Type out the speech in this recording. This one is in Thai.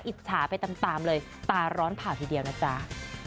อิจฉาไปตามเลยตาร้อนผ่าทีเดียวนะจ๊ะ